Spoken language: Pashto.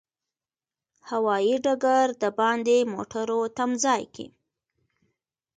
هوایي ډګر د باندې موټرو تمځای کې.